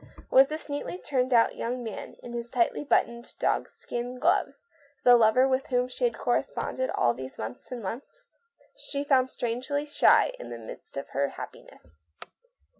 Was this neatly turned out young man, with his tightly buttoned dog skin gloves, the lover with whom she had corresponded all these months and months? She felt strangely shy in the midst of her happiness.